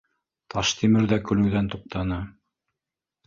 Таштимер ҙә көлөүҙән туҡтаны